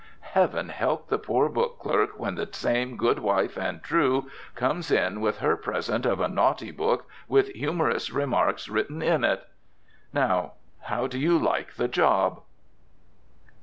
Heaven help the poor book clerk when the same good wife and true comes in with her present of a naughty book with humorous remarks written in it! Now, how do you like the job?